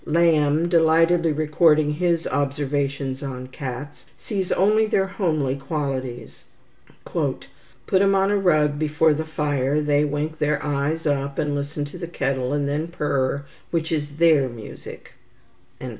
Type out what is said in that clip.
Lamb, delightedly recording his "observations on cats," sees only their homely qualities. "Put 'em on a rug before the fire, they wink their eyes up, and listen to the kettle, and then purr, which is their music."